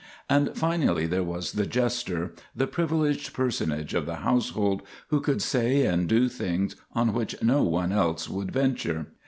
And, finally, there was the jester, the privileged personage of the household, who could say and do things on which no one else would venture.